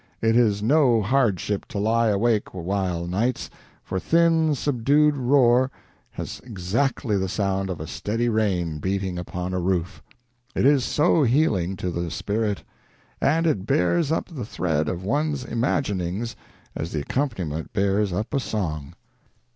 It is no hardship to lie awake awhile nights, for thin subdued roar has exactly the sound of a steady rain beating upon a roof. It is so healing to the spirit; and it bears up the thread of one's imaginings as the accompaniment bears up a song."